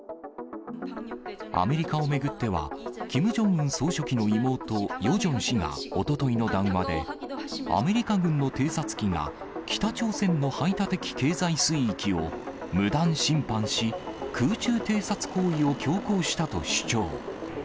アメリカを巡っては、キム・ジョンウン総書記の妹、ヨジョン氏がおとといの談話で、アメリカ軍の偵察機が、北朝鮮の排他的経済水域を無断侵犯し、空中偵察行為を強行したと主張。